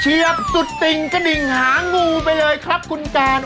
เชียบสุดติ่งกระดิ่งหางูไปเลยครับคุณการ